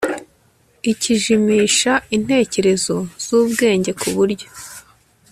ikijimisha intekerezo zubwenge ku buryo